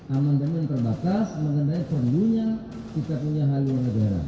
amandemen terbatas mengenai perlunya kita punya haluan negara